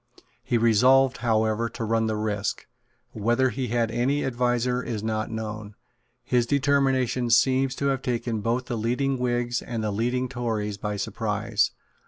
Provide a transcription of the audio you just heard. He resolved, however, to run the risk. Whether he had any adviser is not known. His determination seems to have taken both the leading Whigs and the leading Tories by surprise.